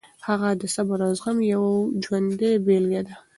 هغه د صبر او زغم یوه ژوندۍ بېلګه ده.